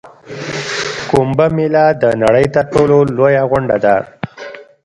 کومبه میله د نړۍ تر ټولو لویه غونډه ده.